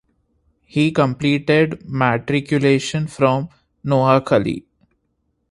He completed matriculation from Noakhali.